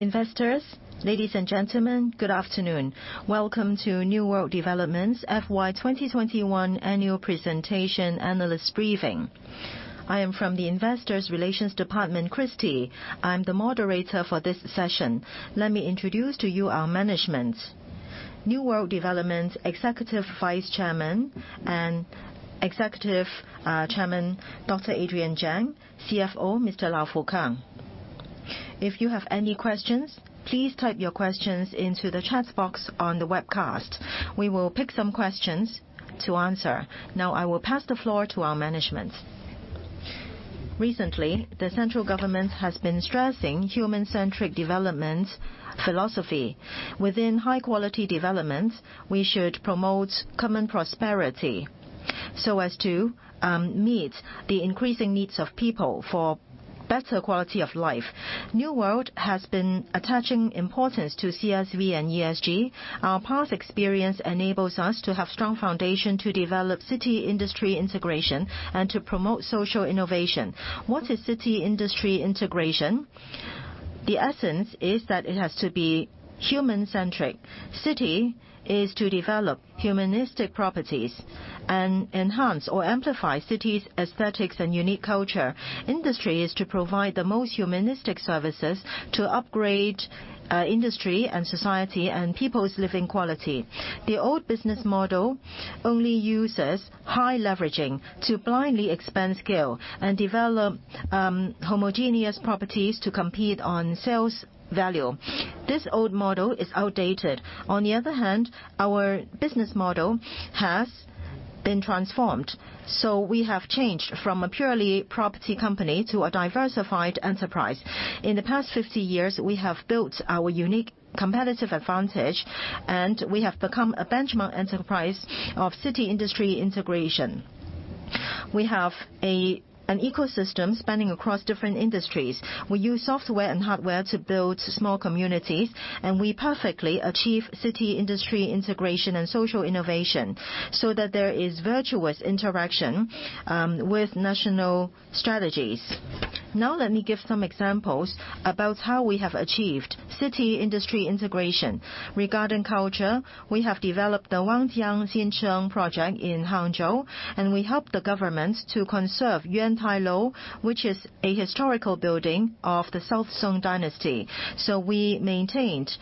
Investors, ladies and gentlemen, good afternoon. Welcome to New World Development's FY 2021 Annual Presentation Analyst Briefing. I am from the investors relations department, Christy. I'm the moderator for this session. Let me introduce to you our management. New World Development Executive Vice Chairman and Chief Executive Officer, Dr. Adrian Cheng, CFO, Mr. Lau Fu-keung. If you have any questions, please type your questions into the chat box on the webcast. We will pick some questions to answer. Now, I will pass the floor to our management. Recently, the central government has been stressing human-centric development philosophy. Within high quality development, we should promote common prosperity so as to meet the increasing needs of people for better quality of life. New World has been attaching importance to CSV and ESG. Our past experience enables us to have strong foundation to develop city industry integration and to promote social innovation. What is city industry integration? The essence is that it has to be human-centric. City is to develop humanistic properties and enhance or amplify city's aesthetics and unique culture. Industry is to provide the most humanistic services to upgrade industry and society and people's living quality. The old business model only uses high leveraging to blindly expand scale and develop homogeneous properties to compete on sales value. This old model is outdated. On the other hand, our business model has been transformed. We have changed from a purely property company to a diversified enterprise. In the past 50 years, we have built our unique competitive advantage, and we have become a benchmark enterprise of city industry integration. We have an ecosystem spanning across different industries. We use software and hardware to build small communities, and we perfectly achieve city industry integration and social innovation, so that there is virtuous interaction with national strategies. Now let me give some examples about how we have achieved city industry integration. Regarding culture, we have developed the Wangjiang Xincheng project in Hangzhou, and we helped the government to conserve Yuntai Lou, which is a historical building of the Southern Song dynasty. We maintained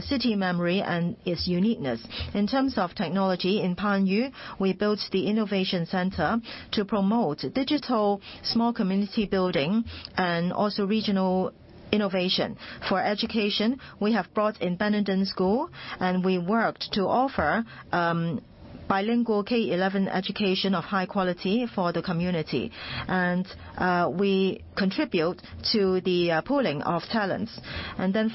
city memory and its uniqueness. In terms of technology, in Panyu, we built the innovation center to promote digital small community building and also regional innovation. For education, we have brought in Benenden School, and we worked to offer bilingual K11 education of high quality for the community. We contribute to the pooling of talents.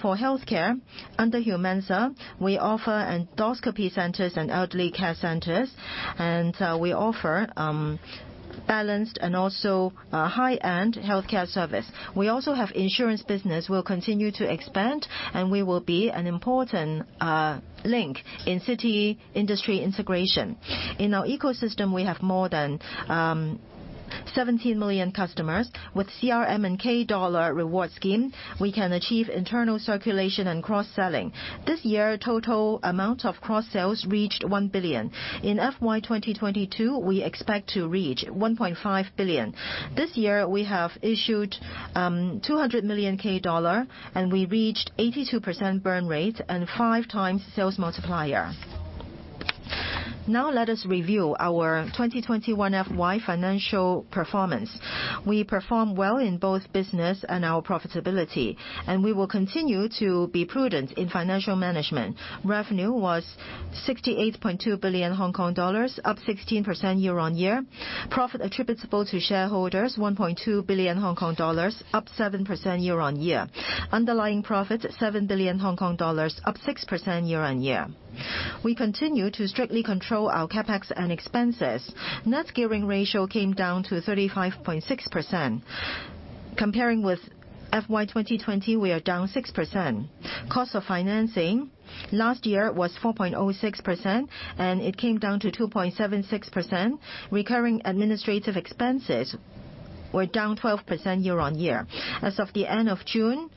For healthcare, under Humansa, we offer endoscopy centers and elderly care centers, and we offer balanced and also high-end healthcare service. We also have insurance business we'll continue to expand, and we will be an important link in city industry integration. In our ecosystem, we have more than 17 million customers. With CRM and K Dollar reward scheme, we can achieve internal circulation and cross-selling. This year, total amount of cross-sales reached 1 billion. In FY 2022, we expect to reach 1.5 billion. This year, we have issued 200 million K Dollar, and we reached 82% burn rate and 5x sales multiplier. Now let us review our FY 2021 financial performance. We performed well in both business and our profitability, and we will continue to be prudent in financial management. Revenue was 68.2 billion Hong Kong dollars, up 16% year-on-year. Profit attributable to shareholders, 1.2 billion Hong Kong dollars, up 7% year-on-year. Underlying profit, 7 billion Hong Kong dollars, up 6% year-on-year. We continue to strictly control our CapEx and expenses. Net gearing ratio came down to 35.6%. Comparing with FY 2020, we are down 6%. Cost of financing last year was 4.06%. It came down to 2.76%. Recurring administrative expenses were down 12% year-on-year. As of the end of June,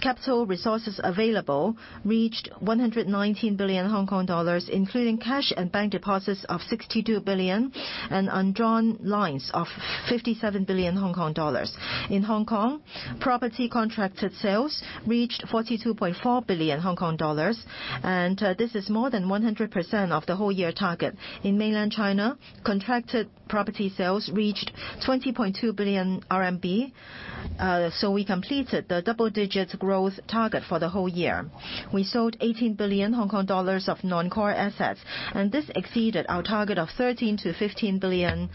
capital resources available reached 119 billion Hong Kong dollars, including cash and bank deposits of 62 billion and undrawn lines of 57 billion Hong Kong dollars. In Hong Kong, property contracted sales reached 42.4 billion Hong Kong dollars. This is more than 100% of the whole year target. In mainland China, contracted property sales reached 20.2 billion RMB. We completed the double-digit growth target for the whole year. We sold 18 billion Hong Kong dollars of non-core assets. This exceeded our target of 13 billion-15 billion.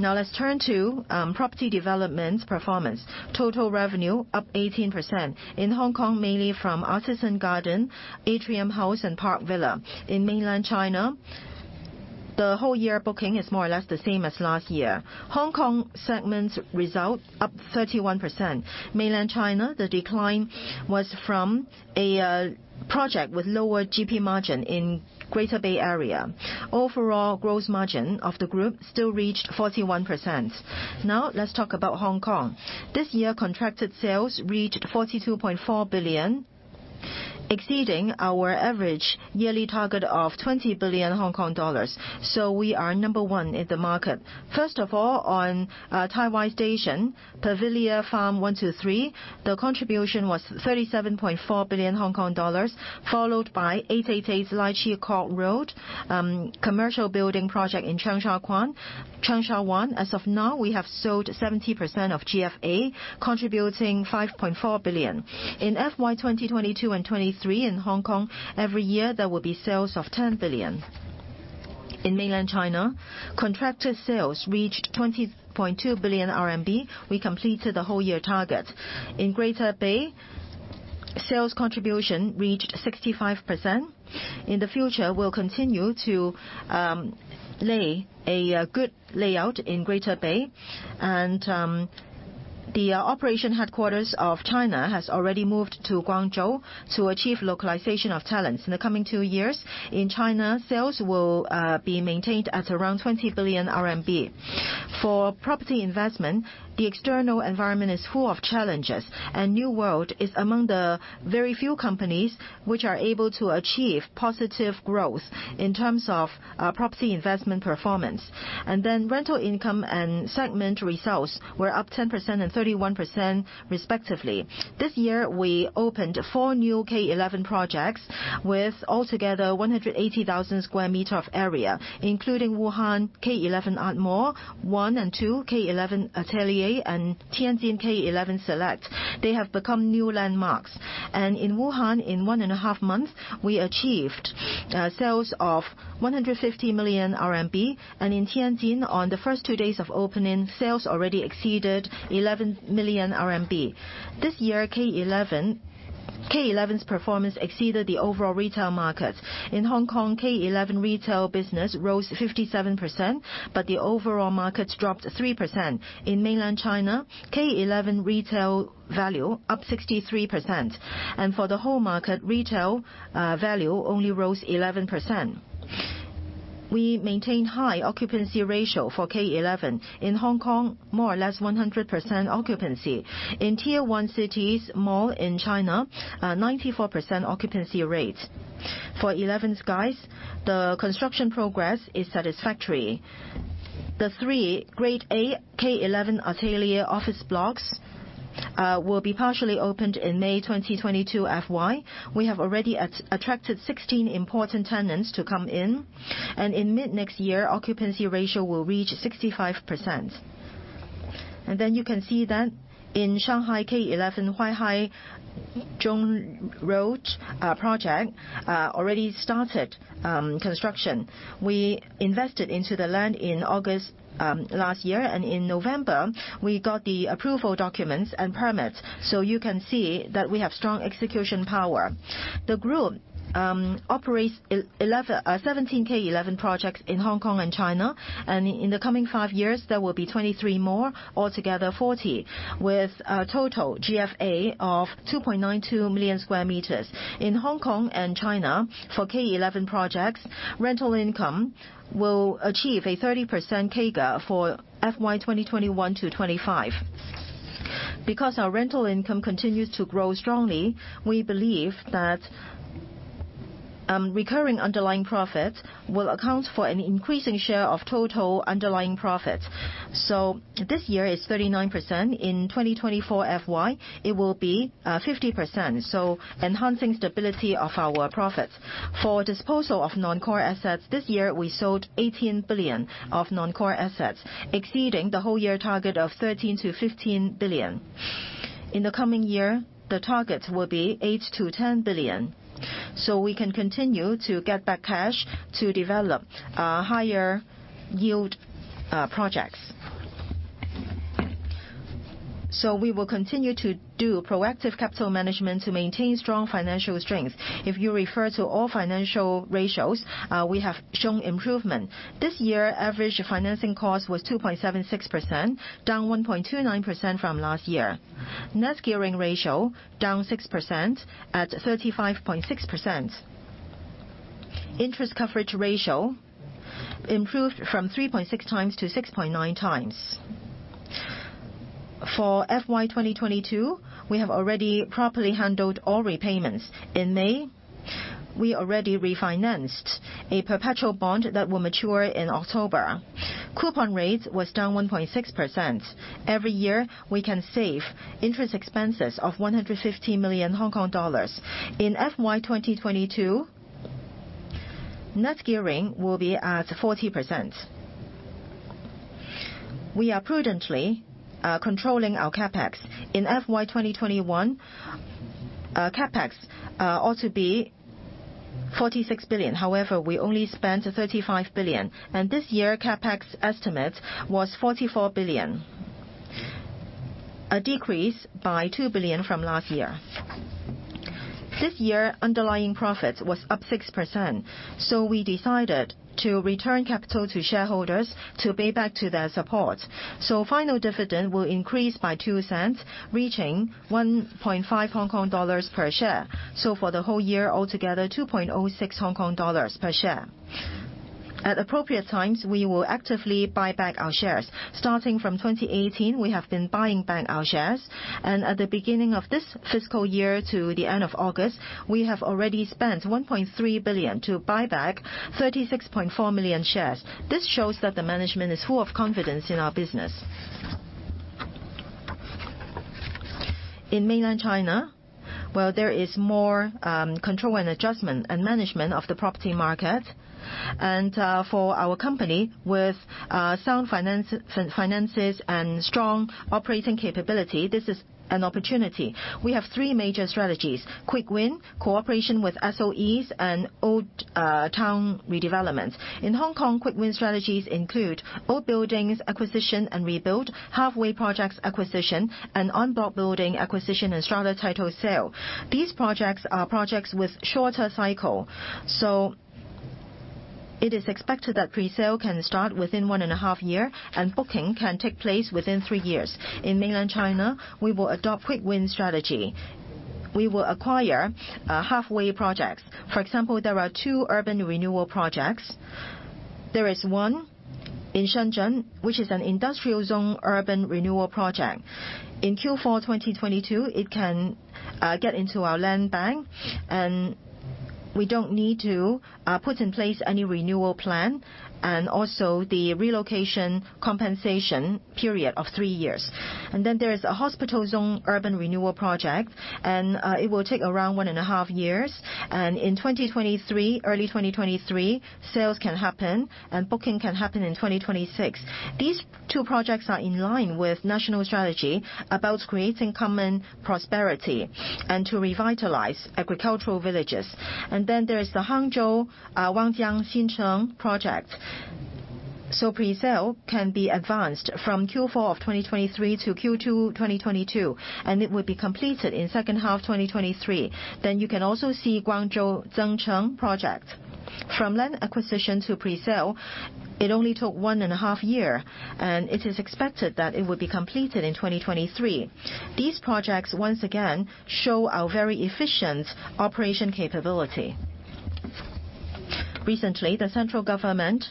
Let's turn to property development performance. Total revenue up 18%. In Hong Kong, mainly from Artisan Garden, Atrium House, and Park Villa. In mainland China, the whole year booking is more or less the same as last year. Hong Kong segment result up 31%. Mainland China, the decline was from a project with lower GP margin in Greater Bay Area. Overall gross margin of the group still reached 41%. Let's talk about Hong Kong. This year, contracted sales reached 42.4 billion. Exceeding our average yearly target of 20 billion Hong Kong dollars. We are number one in the market. First of all, on Tai Wai Station, The Pavilia Farm 1 - 3, the contribution was 37.4 billion Hong Kong dollars, followed by 888 Lai Chi Kok Road commercial building project in Cheung Sha Wan. As of now, we have sold 70% of GFA, contributing 5.4 billion. In FY 2022 and 2023 in Hong Kong, every year there will be sales of 10 billion. In mainland China, contracted sales reached 20.2 billion RMB. We completed the whole year target. In Greater Bay, sales contribution reached 65%. In the future, we'll continue to lay a good layout in Greater Bay, and the operation headquarters of China has already moved to Guangzhou to achieve localization of talents. In the coming two years, in China, sales will be maintained at around 20 billion RMB. For property investment, the external environment is full of challenges, New World is among the very few companies which are able to achieve positive growth in terms of property investment performance. Rental income and segment results were up 10% and 31% respectively. This year, we opened four new K11 projects with altogether 180,000 sq m of area, including Wuhan K11 Art Mall 1 and 2, K11 ATELIER, and Tianjin K11 Select. They have become new landmarks. In Wuhan, in one and a half months, we achieved sales of 150 million RMB. In Tianjin, on the first two days of opening, sales already exceeded 11 million RMB. This year, K11's performance exceeded the overall retail market. In Hong Kong, K11 retail business rose 57%, but the overall market dropped 3%. In mainland China, K11 retail value up 63%. For the whole market, retail value only rose 11%. We maintain high occupancy ratio for K11. In Hong Kong, more or less 100% occupancy. In Tier 1 cities mall in China, 94% occupancy rate. For 11 SKIES, the construction progress is satisfactory. The 3 Grade A K11 ATELIER office blocks will be partially opened in May 2022 FY. We have already attracted 16 important tenants to come in mid next year, occupancy ratio will reach 65%. You can see that in Shanghai K11 Huaihai Zhong Road project already started construction. We invested into the land in August last year, in November, we got the approval documents and permits. You can see that we have strong execution power. The group operates 17 K11 projects in Hong Kong and China, and in the coming five years, there will be 23 more, altogether 40, with a total GFA of 2.92 million sq m. In Hong Kong and China, for K11 projects, rental income will achieve a 30% CAGR for FY 2021 to 2025. Because our rental income continues to grow strongly, we believe that recurring underlying profits will account for an increasing share of total underlying profits. This year it's 39%. In 2024 FY, it will be 50%, enhancing stability of our profits. For disposal of non-core assets, this year we sold 18 billion of non-core assets, exceeding the whole year target of 13 billion-15 billion. In the coming year, the target will be 8 billion-10 billion. We can continue to get back cash to develop higher yield projects. We will continue to do proactive capital management to maintain strong financial strength. If you refer to all financial ratios, we have shown improvement. This year, average financing cost was 2.76%, down 1.29% from last year. Net gearing ratio down 6% at 35.6%. Interest coverage ratio improved from 3.6x to 6.9x. For FY 2022, we have already properly handled all repayments. In May, we already refinanced a perpetual bond that will mature in October. Coupon rates was down 1.6%. Every year, we can save interest expenses of 150 million Hong Kong dollars. In FY 2022, net gearing will be at 40%. We are prudently controlling our CapEx. In FY 2021, CapEx ought to be 46 billion. However, we only spent 35 billion. This year, CapEx estimate was 44 billion, a decrease by 2 billion from last year. This year, underlying profits was up 6%. We decided to return capital to shareholders to pay back to their support. Final dividend will increase by 0.02, reaching 1.5 Hong Kong dollars per share. For the whole year altogether, 2.06 Hong Kong dollars per share. At appropriate times, we will actively buy back our shares. Starting from 2018, we have been buying back our shares, and at the beginning of this fiscal year to the end of August, we have already spent 1.3 billion to buy back 36.4 million shares. This shows that the management is full of confidence in our business. In mainland China, while there is more control and adjustment and management of the property market, for our company with sound finances and strong operating capability, this is an opportunity. We have three major strategies: Quick win, cooperation with SOEs, and old town redevelopment. In Hong Kong, quick win strategies include old buildings acquisition and rebuild, halfway projects acquisition, and En bloc building acquisition and strata title sale. These projects are projects with shorter cycle. It is expected that presale can start within one and a half years, and booking can take place within three years. In mainland China, we will adopt quick win strategy. We will acquire halfway projects. For example, there are two urban renewal projects. There is one in Shenzhen, which is an industrial zone urban renewal project. In Q4 2022, it can get into our land bank, and we don't need to put in place any renewal plan, and also the relocation compensation period of three years. There is a hospital zone urban renewal project, and it will take around one and a half years. In 2023, early 2023, sales can happen, and booking can happen in 2026. These two projects are in line with national strategy about creating common prosperity and to revitalize agricultural villages. There is the Hangzhou Wangjiang Xincheng project. Presale can be advanced from Q4 2023 to Q2 2022, and it will be completed in H2 2023. You can also see Guangzhou Zengcheng project. From land acquisition to presale, it only took one and a half year. It is expected that it would be completed in 2023. These projects, once again, show our very efficient operation capability. Recently, the central government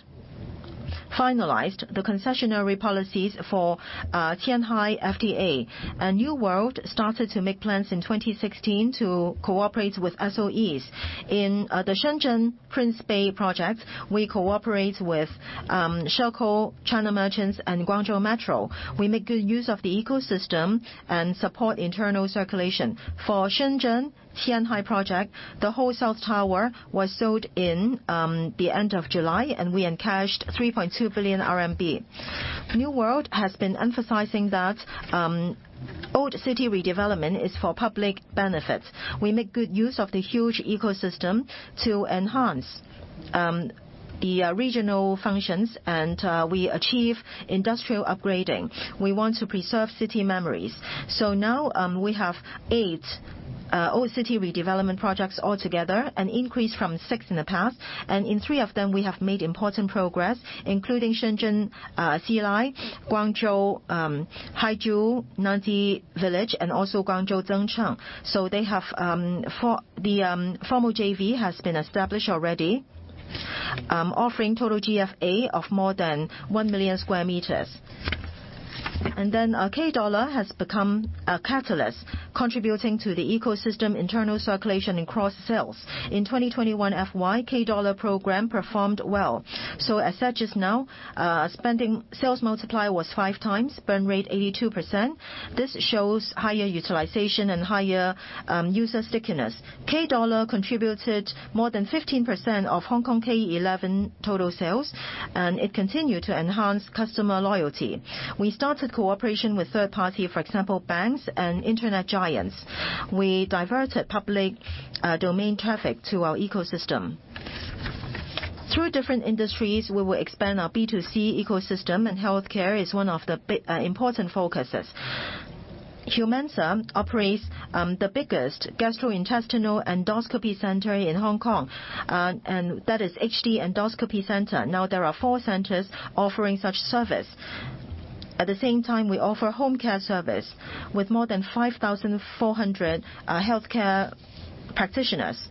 finalized the concessionary policies for Qianhai FTA. New World started to make plans in 2016 to cooperate with SOEs. In the Shenzhen Prince Bay project, we cooperate with Shekou, China Merchants, and Guangzhou Metro. We make good use of the ecosystem and support internal circulation. For Shenzhen Qianhai project, the whole south tower was sold in the end of July, and we encashed 3.2 billion RMB. New World has been emphasizing that old city redevelopment is for public benefits. We make good use of the huge ecosystem to enhance the regional functions, and we achieve industrial upgrading. We want to preserve city memories. Now, we have eight old city redevelopment projects altogether, an increase from six in the past. In three of them, we have made important progress, including Shenzhen Xili, Nanji Village, Haizhu District, Guangzhou, and also Guangzhou Zengcheng. The formal JV has been established already, offering total GFA of more than 1 million sq m. Our K Dollar has become a catalyst contributing to the ecosystem internal circulation in cross sales. In 2021 FY, K Dollar program performed well. As such as now, spending sales multiplier was 5x, burn rate 82%. This shows higher utilization and higher user stickiness. K Dollar contributed more than 15% of Hong Kong K11 total sales, and it continued to enhance customer loyalty. We started cooperation with third party, for example, banks and internet giants. We diverted public domain traffic to our ecosystem. Through different industries, we will expand our B2C ecosystem, and healthcare is one of the important focuses. Humansa operates the biggest gastrointestinal endoscopy center in Hong Kong, and that is HD Endoscopy Center. Now there are four centers offering such service. At the same time, we offer home care service with more than 5,400 healthcare practitioners.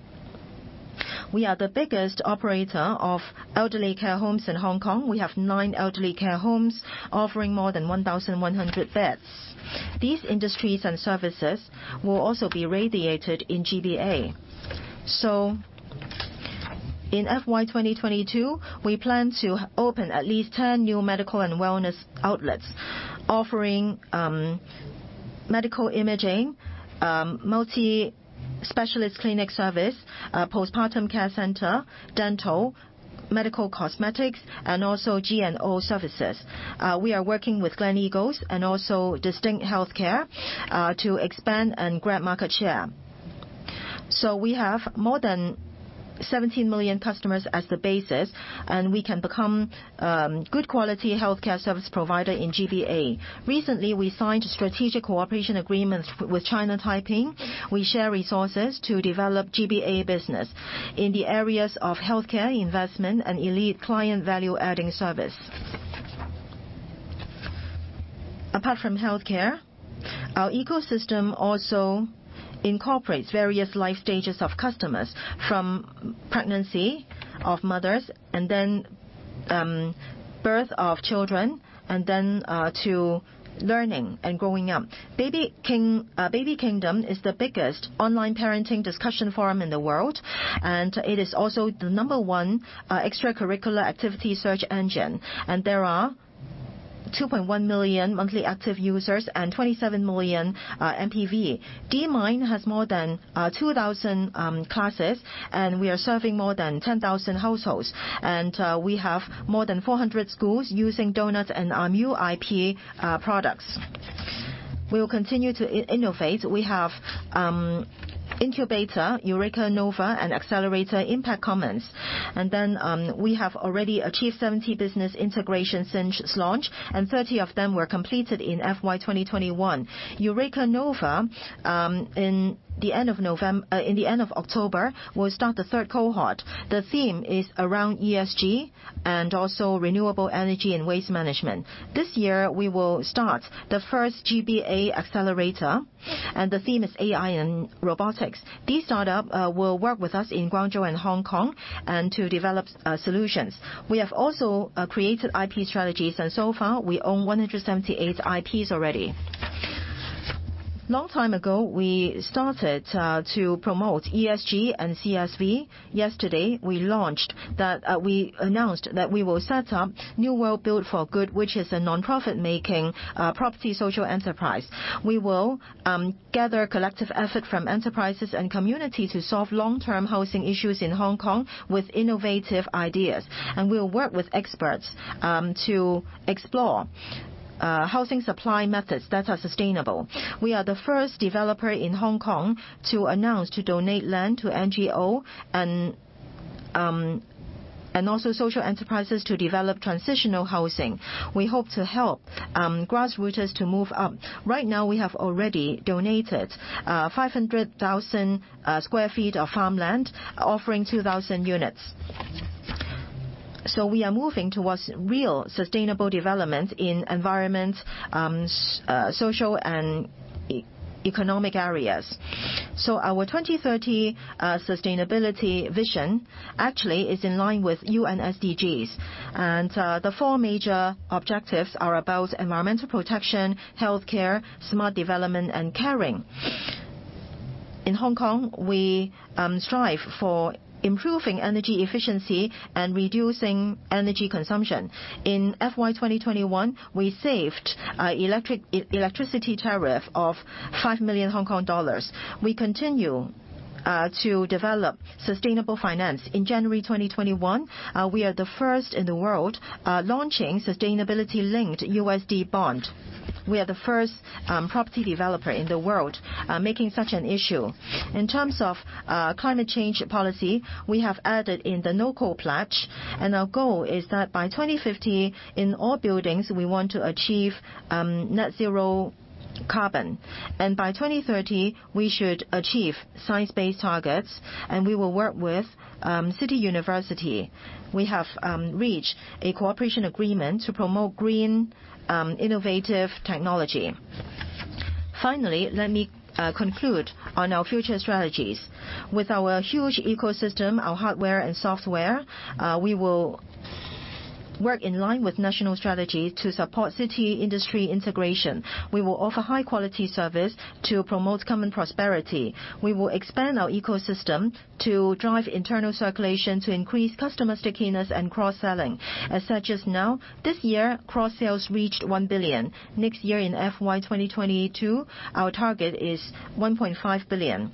We are the biggest operator of elderly care homes in Hong Kong. We have nine elderly care homes offering more than 1,100 beds. These industries and services will also be radiated in GBA. In FY 2022, we plan to open at least 10 new medical and wellness outlets offering medical imaging, multi-specialist clinic service, postpartum care center, dental, medical cosmetics, and also GNO services. We are working with Gleneagles and also Distinct Healthcare to expand and grab market share. We have more than 17 million customers as the basis, and we can become good quality healthcare service provider in GBA. Recently, we signed strategic cooperation agreements with China Taiping. We share resources to develop GBA business in the areas of healthcare, investment, and elite client value adding service. Apart from healthcare, our ecosystem also incorporates various life stages of customers from pregnancy of mothers and then birth of children, and then to learning and growing up. Baby Kingdom is the biggest online parenting discussion forum in the world, and it is also the number one extracurricular activity search engine. There are 2.1 million monthly active users and 27 million MPV. D Mind has more than 2,000 classes, and we are serving more than 10,000 households. We have more than 400 schools using Donut and our new IP products. We will continue to innovate. We have incubator, Eureka Nova, and accelerator, Impact Kommons. We have already achieved 70 business integrations since launch, and 30 of them were completed in FY 2021. Eureka Nova, in the end of October, will start the third cohort. The theme is around ESG and also renewable energy and waste management. This year, we will start the first GBA accelerator, and the theme is AI and robotics. These startup will work with us in Guangzhou and Hong Kong and to develop solutions. We have also created IP strategies, and so far, we own 178 IPs already. Long time ago, we started to promote ESG and CSV. Yesterday, we announced that we will set up New World Build for Good, which is a nonprofit-making property social enterprise. We will gather collective effort from enterprises and community to solve long-term housing issues in Hong Kong with innovative ideas. We will work with experts to explore housing supply methods that are sustainable. We are the first developer in Hong Kong to announce to donate land to NGO and also social enterprises to develop transitional housing. We hope to help grassrooters to move up. Right now, we have already donated 500,000 sq ft of farmland, offering 2,000 units. We are moving towards real sustainable development in environment, social, and economic areas. Our 2030 sustainability vision actually is in line with UN SDGs. The four major objectives are about environmental protection, healthcare, smart development, and caring. In Hong Kong, we strive for improving energy efficiency and reducing energy consumption. In FY 2021, we saved electricity tariff of 5 million Hong Kong dollars. We continue to develop sustainable finance. In January 2021, we are the first in the world launching sustainability-linked USD bond. We are the first property developer in the world making such an issue. In terms of climate change policy, we have added in the Net Zero pledge, and our goal is that by 2050, in all buildings, we want to achieve net zero carbon. By 2030, we should achieve science-based targets, and we will work with City University. We have reached a cooperation agreement to promote green, innovative technology. Finally, let me conclude on our future strategies. With our huge ecosystem, our hardware and software, we will work in line with national strategy to support city-industry integration. We will offer high-quality service to promote common prosperity. We will expand our ecosystem to drive internal circulation to increase customer stickiness and cross-selling. This year, cross-sales reached 1 billion. Next year in FY 2022, our target is 1.5 billion.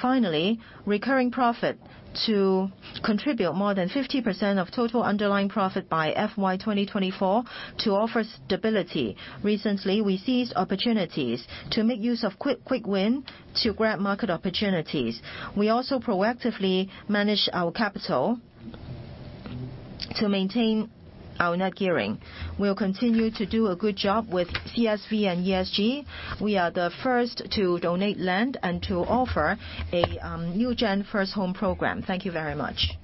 Finally, recurring profit to contribute more than 50% of total underlying profit by FY 2024 to offer stability. Recently, we seized opportunities to make use of quick win to grab market opportunities. We also proactively manage our capital to maintain our net gearing. We will continue to do a good job with CSV and ESG. We are the first to donate land and to offer a new gen first home program. Thank you very much.